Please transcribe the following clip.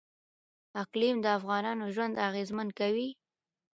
اقلیم د افغانانو ژوند اغېزمن کوي.